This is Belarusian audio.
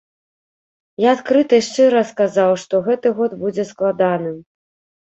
Я адкрыта і шчыра сказаў, што гэты год будзе складаным.